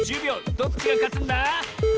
どっちがかつんだ？